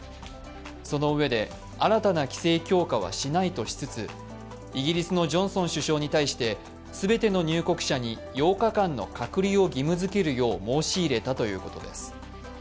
そのうえで、新たな規制強化はしないとしつつイギリスのジョンソン首相に対して全ての入国者に８日間の隔離を義務づけるよう申し入れたということです。